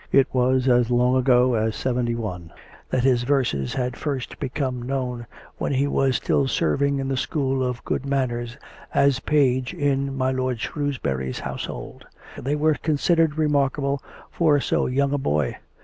It was as long ago as '71, that his verses had first become known, when he was still serving in the school of good manners as page in my Lord Shrewsbury's household. They were con sidered remarkable for so young a boy.